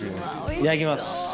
いただきます